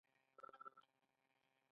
آیا د انارو جوس بهر ته ځي؟